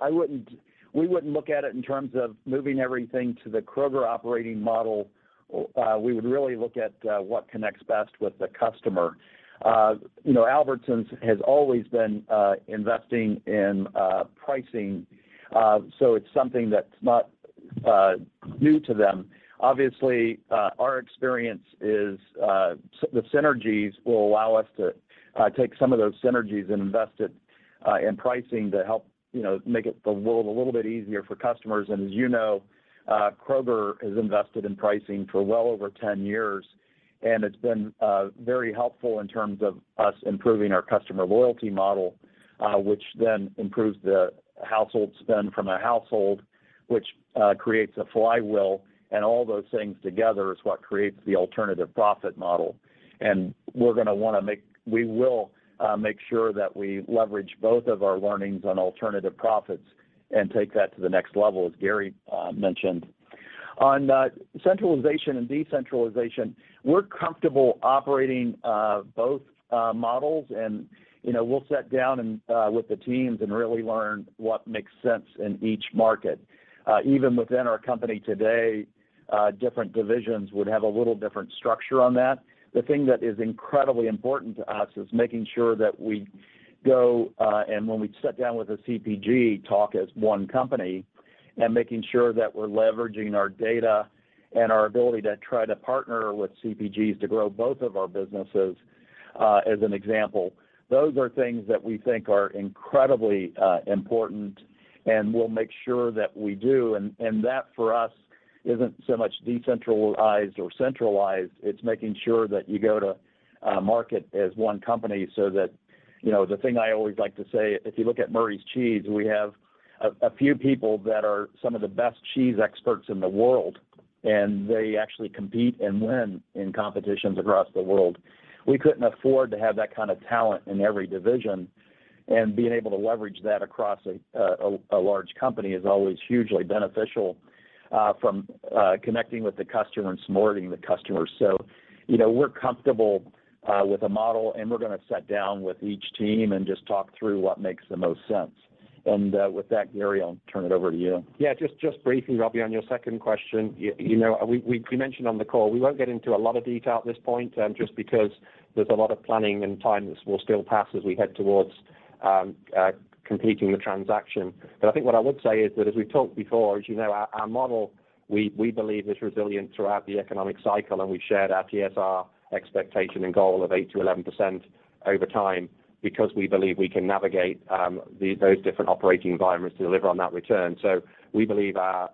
C: I wouldn't—we wouldn't look at it in terms of moving everything to the Kroger operating model. We would really look at what connects best with the customer. You know, Albertsons has always been investing in pricing, so it's something that's not new to them. Obviously, our experience is that the synergies will allow us to take some of those synergies and invest it in pricing to help, you know, make the world a little bit easier for customers. As you know, Kroger has invested in pricing for well over 10 years, and it's been very helpful in terms of us improving our customer loyalty model, which then improves the household spend per household which creates a flywheel. All those things together is what creates the alternative profit model. We will make sure that we leverage both of our learnings on alternative profits and take that to the next level, as Gary mentioned. On centralization and decentralization, we're comfortable operating both models and, you know, we'll sit down and with the teams and really learn what makes sense in each market. Even within our company today, different divisions would have a little different structure on that. The thing that is incredibly important to us is making sure that we go and when we sit down with a CPG, talk as one company, and making sure that we're leveraging our data and our ability to try to partner with CPGs to grow both of our businesses, as an example. Those are things that we think are incredibly important and we'll make sure that we do. That, for us, isn't so much decentralized or centralized, it's making sure that you go to market as one company so that you know, the thing I always like to say, if you look at Murray's Cheese, we have a few people that are some of the best cheese experts in the world, and they actually compete and win in competitions across the world. We couldn't afford to have that kind of talent in every division, and being able to leverage that across a large company is always hugely beneficial from connecting with the customer and supporting the customer. You know, we're comfortable with the model, and we're gonna sit down with each team and just talk through what makes the most sense. With that, Gary, I'll turn it over to you.
D: Yeah. Just briefly, Rob, on your second question. You know, we mentioned on the call, we won't get into a lot of detail at this point, just because there's a lot of planning and time that will still pass as we head towards completing the transaction. I think what I would say is that as we've talked before, as you know, our model, we believe, is resilient throughout the economic cycle, and we've shared our TSR expectation and goal of 8%-11% over time because we believe we can navigate those different operating environments to deliver on that return. We believe our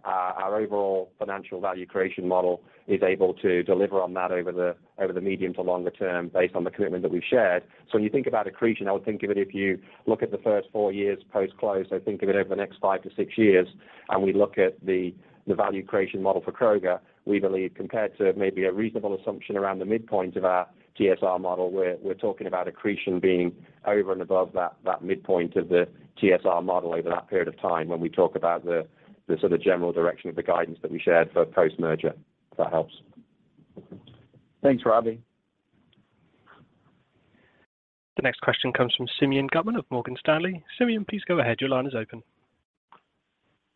D: overall financial value creation model is able to deliver on that over the medium to longer term based on the commitment that we've shared. When you think about accretion, I would think of it if you look at the first four years post-close, think of it over the next five to six years, and we look at the value creation model for Kroger, we believe compared to maybe a reasonable assumption around the midpoint of our TSR model, we're talking about accretion being over and above that midpoint of the TSR model over that period of time when we talk about the sort of general direction of the guidance that we shared for post-merger. If that helps.
C: Thanks, Robbie.
A: The next question comes from Simeon Gutman of Morgan Stanley. Simeon, please go ahead. Your line is open.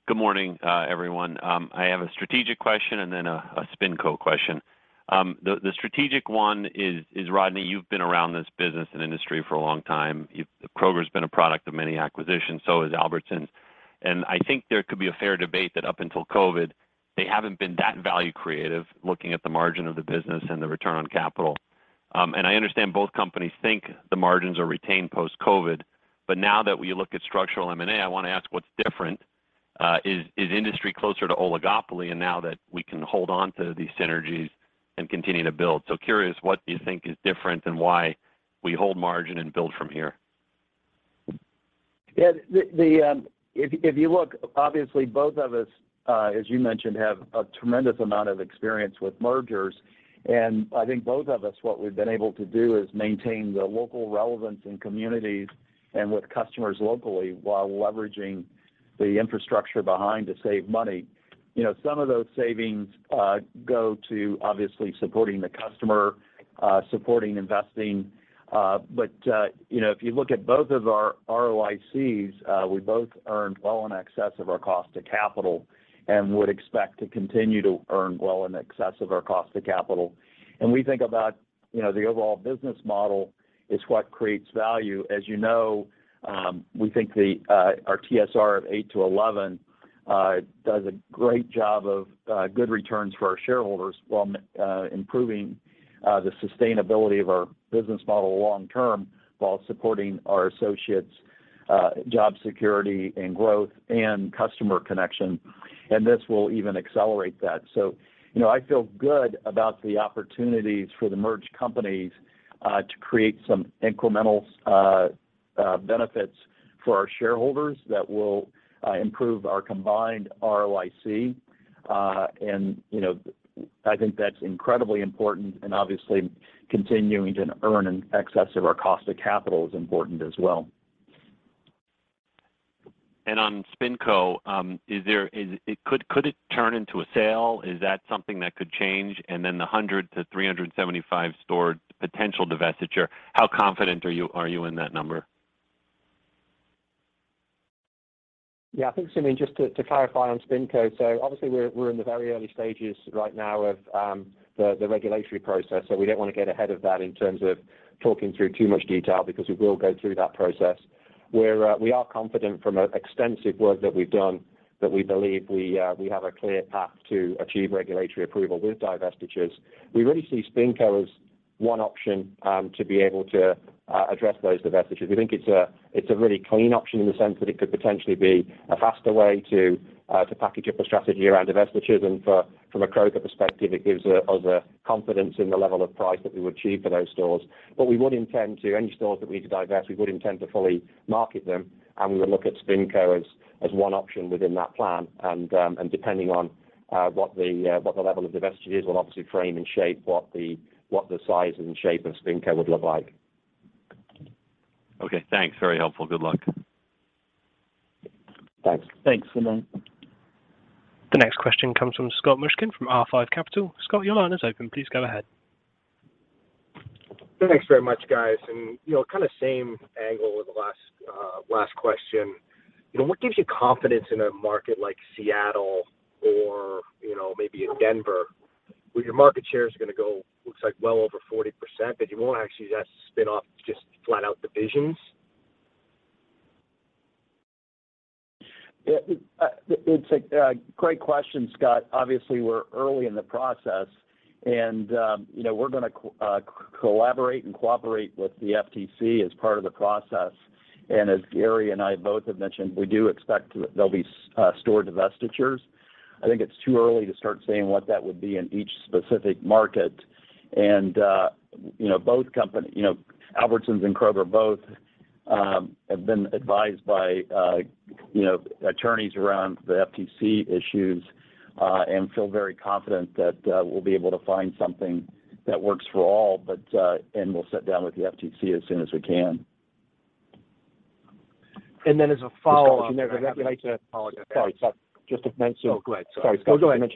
H: Good morning, everyone. I have a strategic question and then a SpinCo question. The strategic one is, Rodney, you've been around this business and industry for a long time. Kroger's been a product of many acquisitions, so has Albertsons, and I think there could be a fair debate that up until COVID, they haven't been that value creative looking at the margin of the business and the return on capital. I understand both companies think the margins are retained post-COVID, but now that we look at structural M&A, I wanna ask what's different. Is industry closer to oligopoly and now that we can hold on to these synergies and continue to build? Curious what you think is different and why we hold margin and build from here.
C: Yeah. If you look, obviously both of us, as you mentioned, have a tremendous amount of experience with mergers. I think both of us, what we've been able to do is maintain the local relevance in communities and with customers locally while leveraging the infrastructure behind to save money. You know, some of those savings go to obviously supporting the customer, supporting investing. You know, if you look at both of our ROICs, we both earned well in excess of our cost of capital and would expect to continue to earn well in excess of our cost of capital. We think about, you know, the overall business model is what creates value. As you know, we think our TSR of 8%-11% does a great job of good returns for our shareholders while improving the sustainability of our business model long term while supporting our associates' job security and growth and customer connection. This will even accelerate that. You know, I feel good about the opportunities for the merged companies to create some incremental benefits for our shareholders that will improve our combined ROIC. You know, I think that's incredibly important and obviously continuing to earn in excess of our cost of capital is important as well.
H: On SpinCo, could it turn into a sale? Is that something that could change? Then the 100-375 store potential divestiture, how confident are you in that number?
D: Yeah. I think, Simeon, just to clarify on SpinCo. Obviously, we're in the very early stages right now of the regulatory process, so we don't wanna get ahead of that in terms of talking through too much detail because we will go through that process. We are confident from an extensive work that we've done that we believe we have a clear path to achieve regulatory approval with divestitures. We really see SpinCo as one option to be able to address those divestitures. We think it's a really clean option in the sense that it could potentially be a faster way to package up a strategy around divestitures. From a Kroger perspective, it gives us a confidence in the level of price that we would achieve for those stores. Any stores that we need to divest, we would intend to fully market them, and we would look at SpinCo as one option within that plan. Depending on what the level of divestiture is, that will obviously frame and shape what the size and shape of SpinCo would look like.
H: Okay, thanks. Very helpful. Good luck.
C: Thanks.
D: Thanks, Simeon.
A: The next question comes from Scott Mushkin from R5 Capital. Scott, your line is open. Please go ahead.
I: Thanks very much, guys. You know, kind of same angle with the last last question. You know, what gives you confidence in a market like Seattle or, you know, maybe in Denver, where your market share is gonna go, looks like well over 40%, but you won't actually just spin off just flat out divisions?
C: Yeah. It's a great question, Scott. Obviously, we're early in the process and, you know, we're gonna collaborate and cooperate with the FTC as part of the process. As Gary and I both have mentioned, we do expect there'll be store divestitures. I think it's too early to start saying what that would be in each specific market. You know, both companies. You know, Albertsons and Kroger both have been advised by, you know, attorneys around the FTC issues and feel very confident that we'll be able to find something that works for all. We'll sit down with the FTC as soon as we can.
D: As a follow-up, you know, the regulator.
C: Sorry. Sorry.
D: Sorry. Just to mention.
C: No, go ahead. Sorry.
D: Sorry.
C: No, go ahead.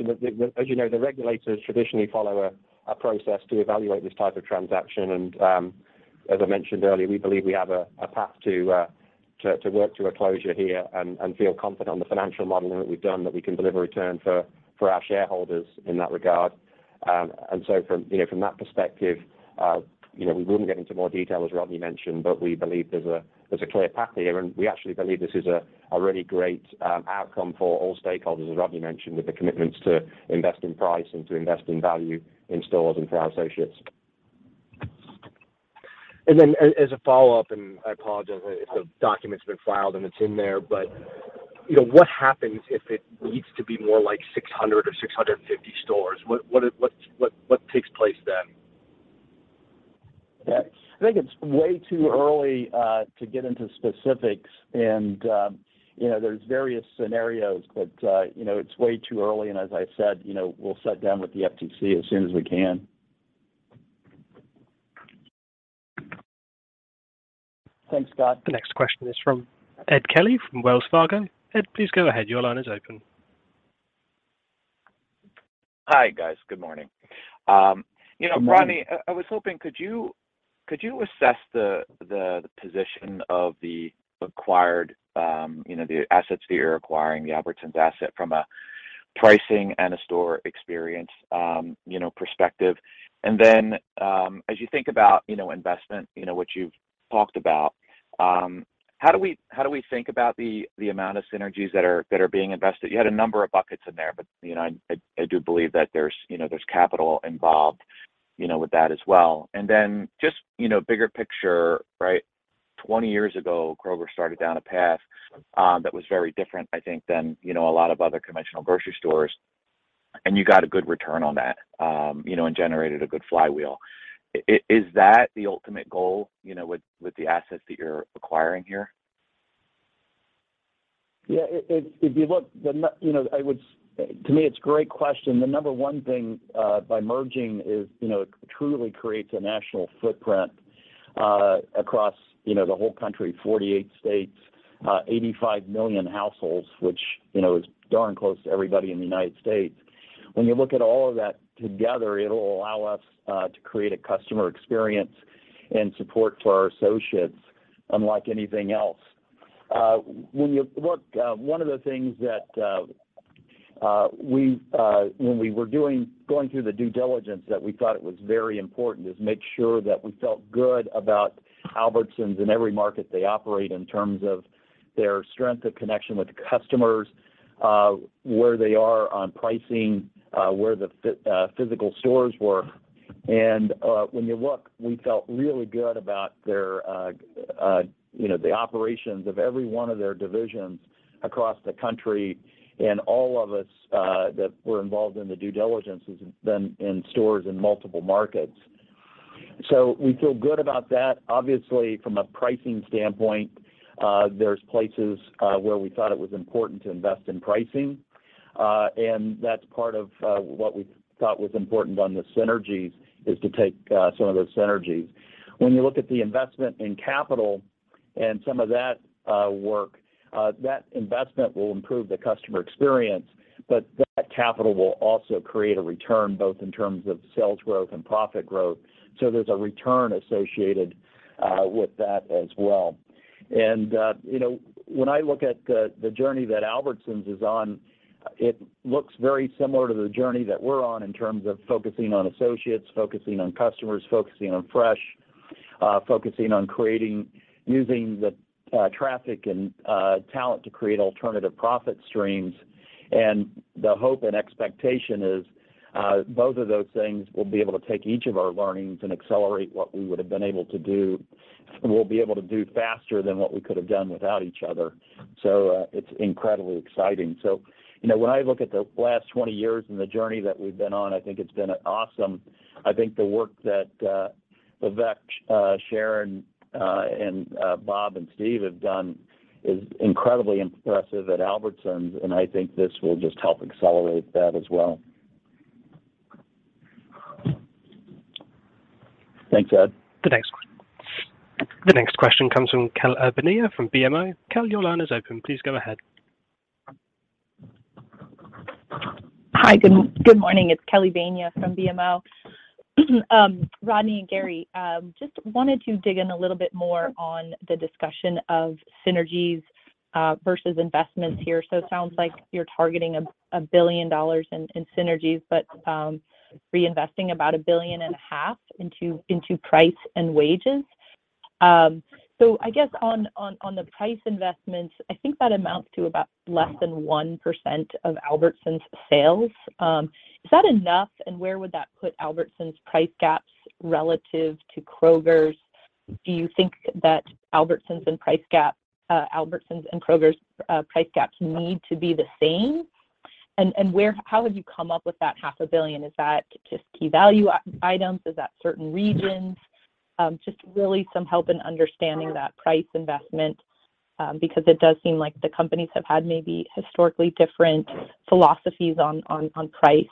D: As you know, the regulators traditionally follow a process to evaluate this type of transaction. As I mentioned earlier, we believe we have a path to work to a closure here and feel confident on the financial modeling that we've done that we can deliver return for our shareholders in that regard. From that perspective, you know, we wouldn't get into more detail as Rodney mentioned, but we believe there's a clear path here. We actually believe this is a really great outcome for all stakeholders, as Rodney mentioned, with the commitments to invest in price and to invest in value in stores and for our associates.
I: As a follow-up, and I apologize if the document's been filed and it's in there, but, you know, what happens if it needs to be more like 600 or 650 stores? What takes place then?
C: Yeah. I think it's way too early to get into specifics, and you know, there's various scenarios. You know, it's way too early, and as I said, you know, we'll sit down with the FTC as soon as we can.
D: Thanks, Scott.
A: The next question is from Edward Kelly from Wells Fargo. Ed, please go ahead. Your line is open.
J: Hi, guys. Good morning. You know, Rodney, I was hoping, could you assess the position of the acquired, you know, the assets that you're acquiring, the Albertsons asset from a pricing and a store experience, you know, perspective? Then, as you think about, you know, investment, you know, what you've talked about, how do we think about the amount of synergies that are being invested? You had a number of buckets in there, but, you know, I do believe that there's capital involved, you know, with that as well. Then just, you know, bigger picture, right? 20 years ago, Kroger started down a path that was very different, I think, than, you know, a lot of other conventional grocery stores, and you got a good return on that, you know, and generated a good flywheel. Is that the ultimate goal, you know, with the assets that you're acquiring here?
C: Yeah. If you look, you know, to me, it's a great question. The number one thing by merging is, you know, it truly creates a national footprint across, you know, the whole country, 48 states, 85,000,000 households, which, you know, is darn close to everybody in the United States. When you look at all of that together, it'll allow us to create a customer experience and support for our associates unlike anything else. When you look, one of the things that when we were going through the due diligence that we thought it was very important is make sure that we felt good about Albertsons in every market they operate in terms of their strength of connection with the customers, where they are on pricing, where the physical stores were. When you look, we felt really good about their you know the operations of every one of their divisions across the country and all of us that were involved in the due diligence has been in stores in multiple markets. We feel good about that. Obviously, from a pricing standpoint, there's places where we thought it was important to invest in pricing, and that's part of what we thought was important on the synergies is to take some of those synergies. When you look at the investment in capital and some of that work, that investment will improve the customer experience, but that capital will also create a return both in terms of sales growth and profit growth. There's a return associated with that as well. You know, when I look at the journey that Albertsons is on, it looks very similar to the journey that we're on in terms of focusing on associates, focusing on customers, focusing on fresh, focusing on using the traffic and talent to create alternative profit streams. The hope and expectation is, both of those things will be able to take each of our learnings and accelerate what we would've been able to do, we'll be able to do faster than what we could've done without each other. It's incredibly exciting. You know, when I look at the last 20 years and the journey that we've been on, I think it's been awesome. I think the work that, Vivek, Sharon, and, Bob and Steve have done is incredibly impressive at Albertsons, and I think this will just help accelerate that as well. Thanks, Ed.
A: The next question comes from Kelly Bania from BMO. Kel, your line is open. Please go ahead.
K: Good morning. It's Kelly Bania from BMO. Rodney and Gary, just wanted to dig in a little bit more on the discussion of synergies versus investments here. It sounds like you're targeting $1 billion in synergies but reinvesting about $1.5 billion into price and wages. I guess on the price investments, I think that amounts to about less than 1% of Albertsons' sales. Is that enough, and where would that put Albertsons' price gaps relative to Kroger's? Do you think that Albertsons' and Kroger's price gaps need to be the same? How have you come up with that $500,000,000? Is that just key value items? Is that certain regions? Just really some help in understanding that price investment, because it does seem like the companies have had maybe historically different philosophies on price.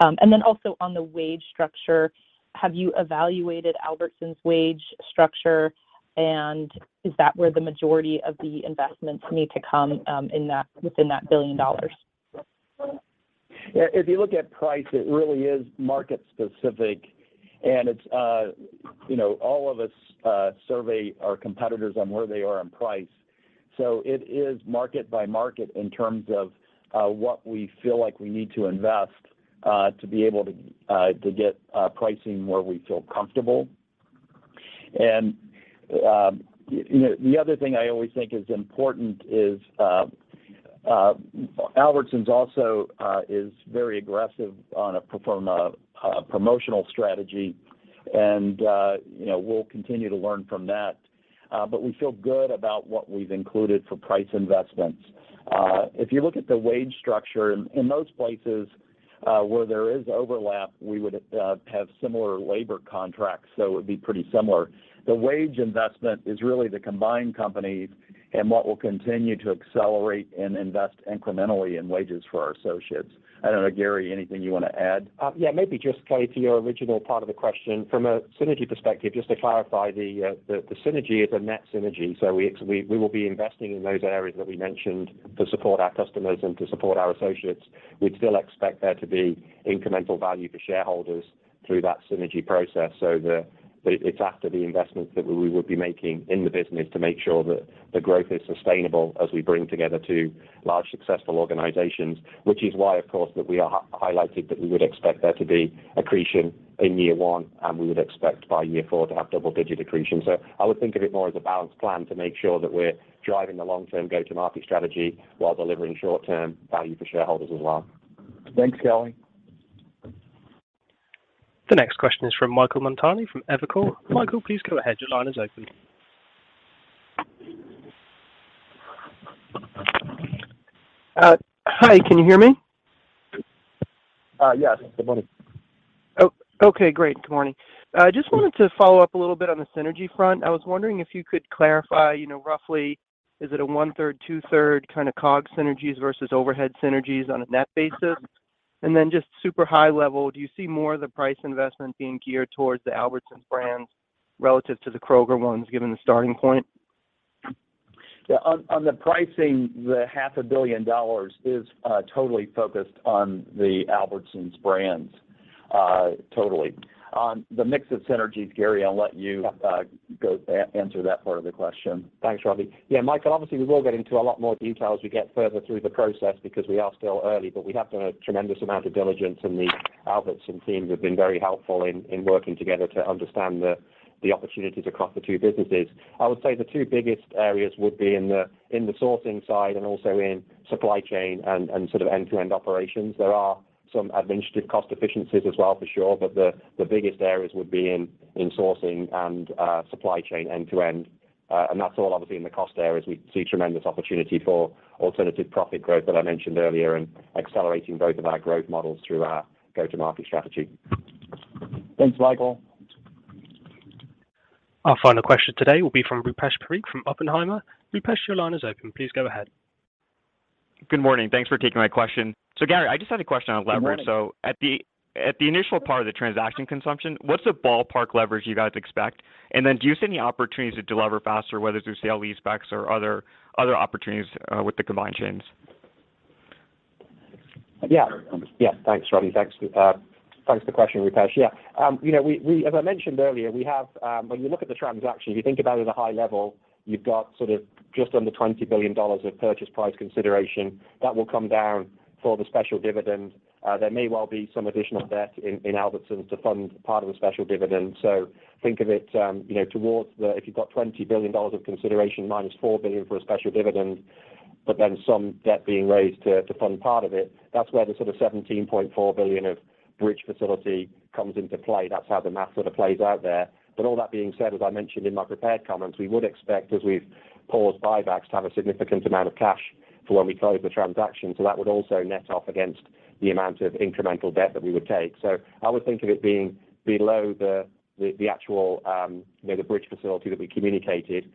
K: Also on the wage structure, have you evaluated Albertsons wage structure and is that where the majority of the investments need to come, in that within that $1 billion?
C: Yeah, if you look at price, it really is market specific, and it's, you know, all of us survey our competitors on where they are on price. It is market by market in terms of what we feel like we need to invest to be able to to get pricing where we feel comfortable. You know, the other thing I always think is important is Albertsons also is very aggressive from a promotional strategy. You know, we'll continue to learn from that. We feel good about what we've included for price investments. If you look at the wage structure in most places where there is overlap, we would have similar labor contracts, so it would be pretty similar. The wage investment is really the combined companies and what we'll continue to accelerate and invest incrementally in wages for our associates. I don't know, Gary, anything you wanna add?
D: Yeah, maybe just, Kelly, to your original part of the question, from a synergy perspective, just to clarify the synergy is a net synergy, so we will be investing in those areas that we mentioned to support our customers and to support our associates. We'd still expect there to be incremental value for shareholders through that synergy process. It's after the investments that we would be making in the business to make sure that the growth is sustainable as we bring together two large successful organizations, which is why, of course, that we are highlighting that we would expect there to be accretion in year one, and we would expect by year four to have double-digit accretion. I would think of it more as a balanced plan to make sure that we're driving the long-term go-to-market strategy while delivering short-term value for shareholders as well.
C: Thanks, Kelly.
A: The next question is from Michael Montani from Evercore. Michael, please go ahead. Your line is open.
L: Hi, can you hear me?
C: Yes. Good morning.
L: Oh, okay, great. Good morning. I just wanted to follow up a little bit on the synergy front. I was wondering if you could clarify, you know, roughly is it a one-third, two-thirds kind of COGS synergies versus overhead synergies on a net basis? And then just super high level, do you see more of the price investment being geared towards the Albertsons brands relative to the Kroger ones, given the starting point?
C: Yeah, on the pricing, the half a billion dollars is totally focused on the Albertsons brands, totally. On the mix of synergies, Gary, I'll let you go answer that part of the question.
D: Thanks, Rob. Yeah, Michael, obviously we will get into a lot more detail as we get further through the process because we are still early, but we have done a tremendous amount of diligence, and the Albertsons teams have been very helpful in working together to understand the opportunities across the two businesses. I would say the two biggest areas would be in the sourcing side and also in supply chain and sort of end-to-end operations. There are some administrative cost efficiencies as well for sure, but the biggest areas would be in sourcing and supply chain end to end. That's all obviously in the cost areas. We see tremendous opportunity for alternative profit growth that I mentioned earlier and accelerating both of our growth models through our go-to-market strategy.
C: Thanks, Michael.
A: Our final question today will be from Rupesh Parikh from Oppenheimer. Rupesh, your line is open. Please go ahead.
M: Good morning. Thanks for taking my question. Gary, I just had a question on leverage.
C: Good morning.
M: At the initial part of the consummation of the transaction, what's the ballpark leverage you guys expect? Then do you see any opportunities to delever faster, whether through sale-leasebacks or other opportunities with the combined chains?
D: Thanks, Rob. Thanks for the question, Rupesh. You know, as I mentioned earlier, we have. When you look at the transaction, if you think about it at a high level, you've got sort of just under $20 billion of purchase price consideration that will come down for the special dividend. There may well be some additional debt in Albertsons to fund part of the special dividend. Think of it. If you've got $20 billion of consideration -$4 billion for a special dividend, but then some debt being raised to fund part of it, that's where the sort of $17.4 billion of bridge facility comes into play. That's how the math sort of plays out there. All that being said, as I mentioned in my prepared comments, we would expect, as we've paused buybacks, to have a significant amount of cash for when we close the transaction, so that would also net off against the amount of incremental debt that we would take. I would think of it being below the actual, you know, the bridge facility that we communicated.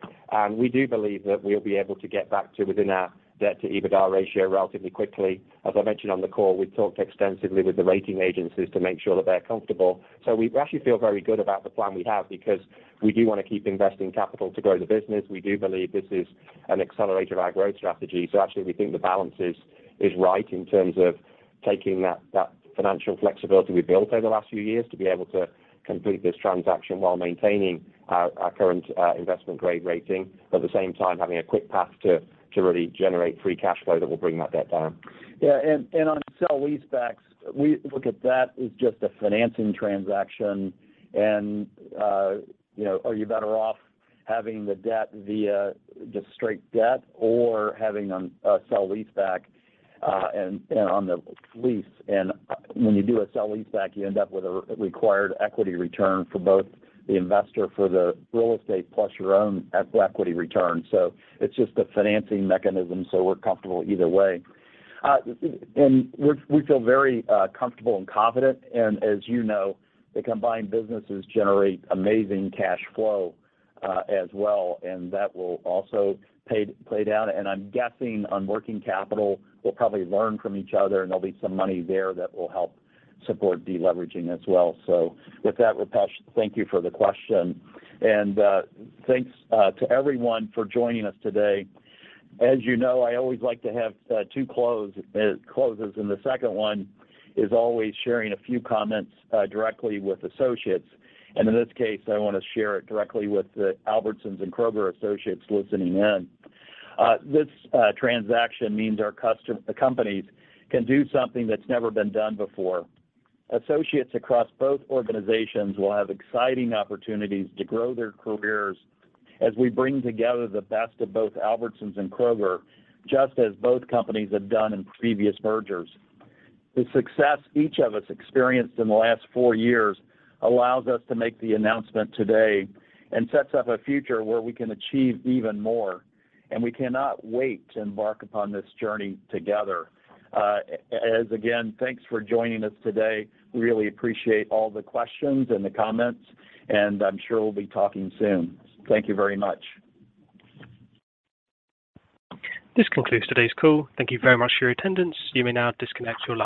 D: We do believe that we'll be able to get back to within our debt to EBITDA ratio relatively quickly. As I mentioned on the call, we've talked extensively with the rating agencies to make sure that they're comfortable. We actually feel very good about the plan we have because we do wanna keep investing capital to grow the business. We do believe this is an accelerator of our growth strategy, so actually we think the balance is right in terms of taking that financial flexibility we've built over the last few years to be able to complete this transaction while maintaining our current investment-grade rating. At the same time, having a quick path to really generate free cash flow that will bring that debt down.
C: Yeah. On sale-leasebacks, we look at that as just a financing transaction and, you know, are you better off having the debt via just straight debt or having a sale-leaseback and on the lease. When you do a sale-leaseback, you end up with a required equity return for both the investor for the real estate plus your own equity return. It's just a financing mechanism, so we're comfortable either way. We feel very comfortable and confident. As you know, the combined businesses generate amazing cash flow as well, and that will also pay down. I'm guessing on working capital, we'll probably learn from each other, and there'll be some money there that will help support de-leveraging as well. With that, Rupesh, thank you for the question. Thanks to everyone for joining us today. As you know, I always like to have two closes, and the second one is always sharing a few comments directly with associates. In this case, I wanna share it directly with the Albertsons and Kroger associates listening in. This transaction means the companies can do something that's never been done before. Associates across both organizations will have exciting opportunities to grow their careers as we bring together the best of both Albertsons and Kroger, just as both companies have done in previous mergers. The success each of us experienced in the last four years allows us to make the announcement today and sets up a future where we can achieve even more, and we cannot wait to embark upon this journey together. And again, thanks for joining us today. Really appreciate all the questions and the comments, and I'm sure we'll be talking soon. Thank you very much.
A: This concludes today's call. Thank you very much for your attendance. You may now disconnect your line.